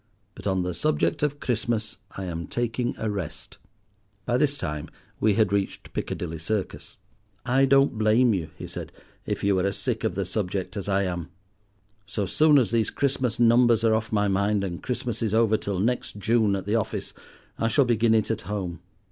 But on the subject of Christmas I am taking a rest." By this time we had reached Piccadilly Circus. "I don't blame you," he said, "if you are as sick of the subject as I am. So soon as these Christmas numbers are off my mind, and Christmas is over till next June at the office, I shall begin it at home.